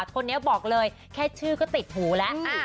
คนนี้บอกเลยแค่ชื่อก็ติดหูแล้ว